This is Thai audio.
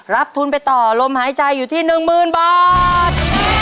รับทุนไปต่อลมหายใจอยู่ที่๑๐๐๐บาท